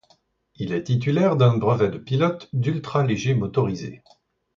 Il est titulaire d'un brevet de pilote d'ultra-léger motorisé.